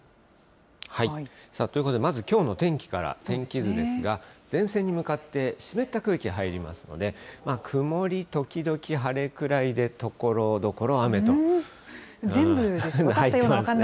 ということで、まずきょうの天気から、天気図ですが、前線に向かって湿った空気が入りますので、曇り時々晴れくらいで、全部ですね。